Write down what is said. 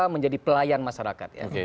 menjadi pelayan masyarakat